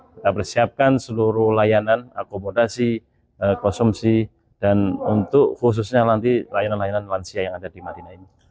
kita persiapkan seluruh layanan akomodasi konsumsi dan untuk khususnya nanti layanan layanan lansia yang ada di madinah ini